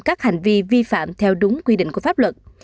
các hành vi vi phạm theo đúng quy định của pháp luật